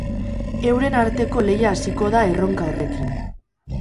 Euren arteko lehia hasiko da erronka horrekin.